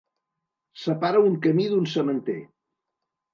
Separa un camí d'un sementer.